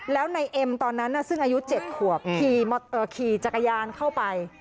แล้วนายเอ็มตอนนั้นซึ่งอายุ๗ขวบขี่จักรยานเข้าไป